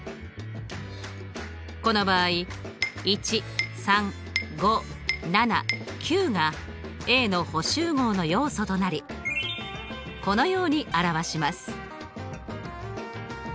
この場合１３５７９がＡの補集合の要素となりこのように表します。